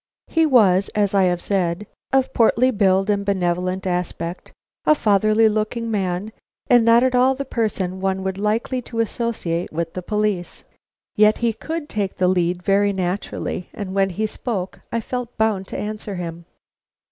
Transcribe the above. He was, as I have said, of portly build and benevolent aspect; a fatherly looking man, and not at all the person one would be likely to associate with the police. Yet he could take the lead very naturally, and when he spoke, I felt bound to answer him.